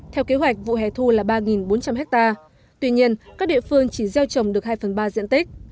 theo kế hoạch vụ hẻ thu là ba bốn trăm linh hectare tuy nhiên các địa phương chỉ gieo trồng được hai phần ba diện tích